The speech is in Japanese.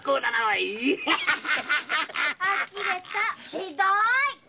ひどい。